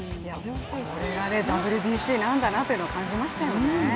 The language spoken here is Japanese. これがＷＢＣなんだなということを感じましたよね。